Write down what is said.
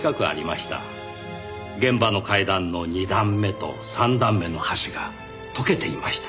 現場の階段の２段目と３段目の端が溶けていました。